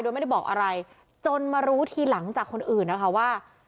โดยไม่ได้บอกอะไรจนมารู้ทีหลังจากคนอื่นนะคะว่า